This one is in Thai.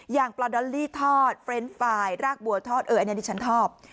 อย่างปลาดอลลี่ทอดเฟรนด์ฟายรากบัวทอดอันนี้ฉันทอด